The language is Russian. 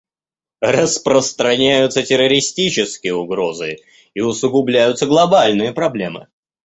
Распространяются террористические угрозы и усугубляются глобальные проблемы.